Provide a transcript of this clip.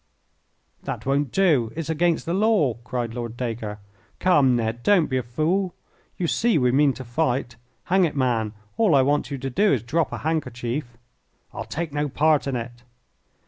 "That won't do. It's against the law," cried Lord Dacre. "Come, Ned, don't be a fool. You see we mean to fight. Hang it, man, all I want you to do is to drop a handkerchief." "I'll take no part in it."